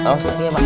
masuk deh pak